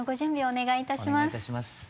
お願いいたします。